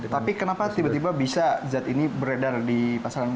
tapi kenapa tiba tiba bisa zat ini beredar di pasaran